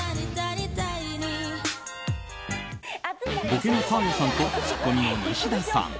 ボケのサーヤさんとツッコミのニシダさん。